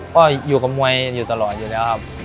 ก็อยู่กับมวยอยู่ตลอดอยู่แล้วครับ